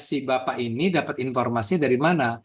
si bapak ini dapat informasi dari mana